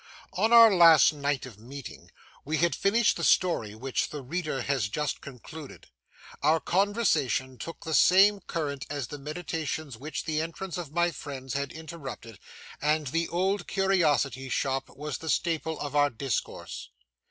On our last night of meeting, we had finished the story which the reader has just concluded. Our conversation took the same current as the meditations which the entrance of my friends had interrupted, and The Old Curiosity Shop was the staple of our discourse.